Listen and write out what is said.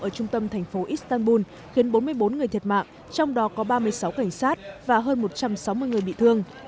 ở trung tâm thành phố istanbul khiến bốn mươi bốn người thiệt mạng trong đó có ba mươi sáu cảnh sát và hơn một trăm sáu mươi người bị thương